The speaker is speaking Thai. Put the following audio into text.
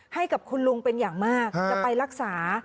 ให้กับคุณลุงเป็นอย่างมากจะไปรักษา